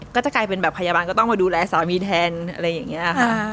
ก็จะกลายเป็นแบบพยาบาลก็ต้องมาดูแลสามีแทนอะไรอย่างนี้ค่ะ